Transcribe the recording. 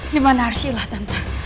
dimana arsyilah tante